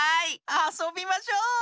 あそびましょう！